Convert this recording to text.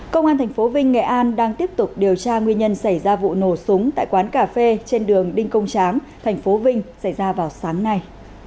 công an tp vinh nghệ an đang tiếp tục điều tra nguyên nhân xảy ra vụ nổ súng tại quán cà phê trên đường đinh công tráng thành phố vinh xảy ra vào sáng nay